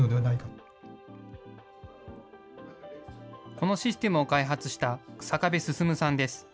このシステムを開発した日下部進さんです。